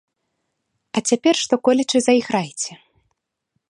А цяпер што-колечы зайграйце.